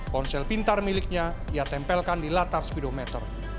ponsel pintar miliknya ia tempelkan di latar speedometer